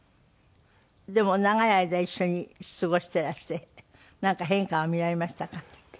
でも長い間一緒に過ごしてらしてなんか変化は見られましたか？